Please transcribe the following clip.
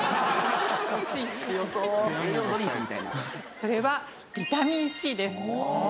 それはビタミンＣです。